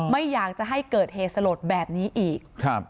ไม่อยากจะให้เกิดเหตุสลดแบบนี้อีก